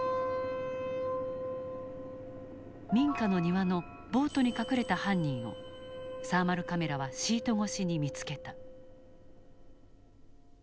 民家の庭のボートに隠れた犯人をサーマルカメラはシート越しに見つけた。